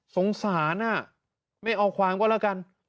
สงสารไม่เอาความก็แล้วกัน